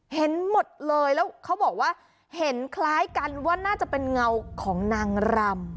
เห็นหมดเลยแล้วเขาบอกว่าเห็นคล้ายกันว่าน่าจะเป็นเงาของนางรำ